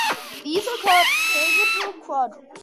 These are called tangential quadrilaterals.